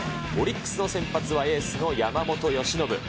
オリックスの先発は、エースの山本由伸。